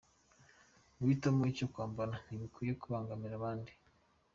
“Guhitamo icyo kwambara ntibikwiye kubangamira abandi”